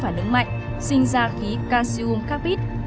khi pha nướng mạnh sinh ra khí calcium carbide